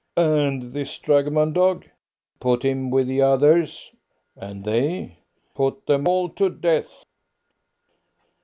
"And this dragoman dog?" "Put him with the others." "And they?" "Put them all to death."